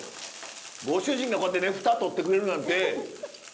ご主人がこうやってね蓋取ってくれるなんて。